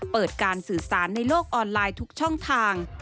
เปิดการสื่อสารในโลกออนไลน์ทุกช่องทาง